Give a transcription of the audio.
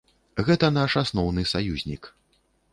Гэта наш асноўны саюзнік.